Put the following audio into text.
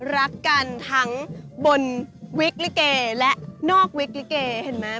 รักกันทั้งบนวิกลิเกและนอกวิกลิเกเห็นไหม